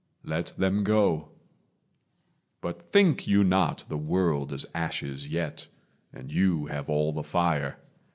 Let them go, But think you not the world is ashes yet, And you have all the fire.